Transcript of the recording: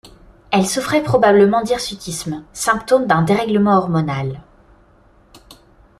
Elle souffrait probablement d’hirsutisme, symptôme d'un dérèglement hormonal.